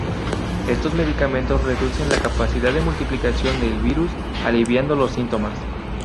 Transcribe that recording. Estos medicamentos reducen la capacidad de multiplicación del virus, aliviando los síntomas.